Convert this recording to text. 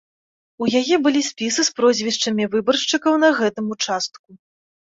У яе былі спісы з прозвішчамі выбаршчыкаў на гэтым участку.